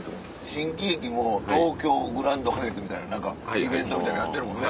新喜劇も東京グランド花月みたいなイベントみたいなやってるもんね。